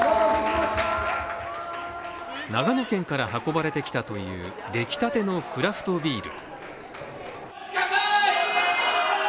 長野県から運ばれてきたという出来たてのクラフトビール。